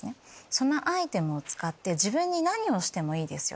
「そのアイテムを使って自分に何をしてもいいですよ」